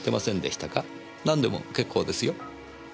なんでも結構ですよ。